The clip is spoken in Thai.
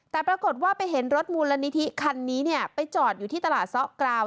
แต่ปรากฏว่าไปเห็นรถมูลนิธิคันนี้เนี่ยไปจอดอยู่ที่ตลาดซะกราว